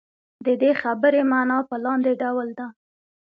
د دې خبرې معنا په لاندې ډول ده.